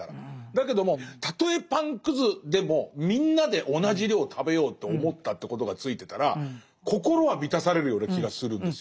だけどもたとえパンくずでもみんなで同じ量を食べようと思ったってことがついてたら心は満たされるような気がするんですよ。